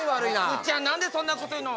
ふくちゃん何でそんなこと言うの！